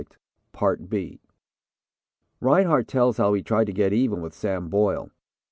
Rinehart tells how he tried to get even with Sam Boyle.